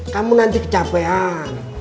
kamu nanti kecapean